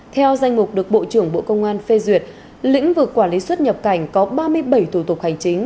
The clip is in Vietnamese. theo danh mục được bộ trưởng bộ công an phê duyệt lĩnh vực quản lý xuất nhập cảnh có ba mươi bảy thủ tục hành chính